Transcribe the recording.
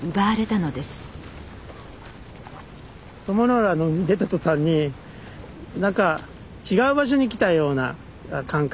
鞆の浦に出た途端になんか違う場所に来たような感覚。